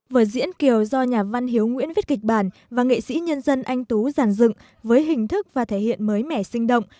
vở diễn kiều do nhà văn hiếu nguyễn viết kịch bản và nghệ sĩ nhân dân anh tú giàn dựng với hình thức và thể hiện mới mẻ sinh động